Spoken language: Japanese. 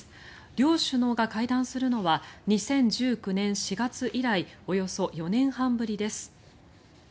両首脳が会談するのは２０１９年４月以来およそ４年半ぶりです。